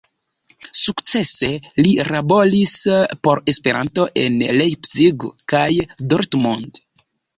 Sukcese li laboris por Esperanto en Leipzig kaj Dortmund.